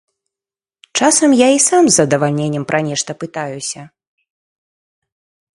Часам я і сам з задавальненнем пра нешта пытаюся.